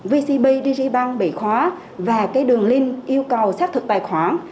vcb dg banh bị khóa và đường link yêu cầu xác thực tài khoản